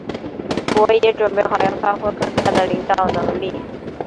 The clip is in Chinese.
我也准备好要发挥更大的领导能力。